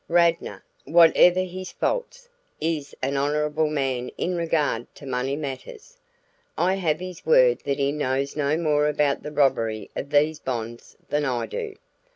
"Radnor, whatever his faults, is an honorable man in regard to money matters. I have his word that he knows no more about the robbery of those bonds than I do."